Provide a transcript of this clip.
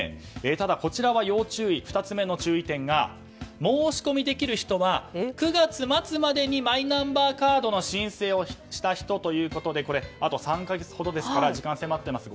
ただこちらは要注意２つ目の注意点が申し込みできる人は９月末までにマイナンバーカードの申請をした人ということであと３か月ほどですから時間迫っています。